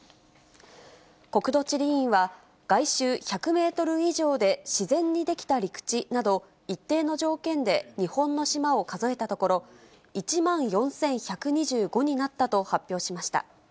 国土地理院は、外周１００メートル以上で自然に出来た陸地など、一定の条件で日本の島を数えたところ、１万４１２５になったと発表しました。